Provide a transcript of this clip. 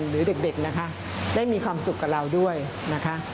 หรือเด็กนะคะได้มีความสุขกับเราด้วยนะคะ